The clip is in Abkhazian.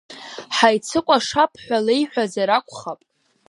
Ҳаицыкәашап ҳәа леиҳәазар акәхап.